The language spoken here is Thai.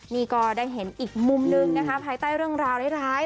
นี่ก็ได้เห็นอีกมุมนึงนะคะภายใต้เรื่องราวร้าย